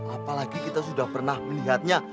apalagi kita sudah pernah melihatnya